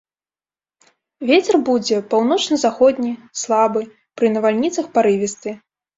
Вецер будзе паўночна-заходні слабы, пры навальніцах парывісты.